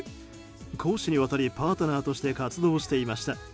公私にわたりパートナーとして活動していました。